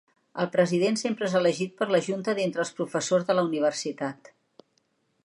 El president sempre és elegit per la junta d'entre els professors de la universitat.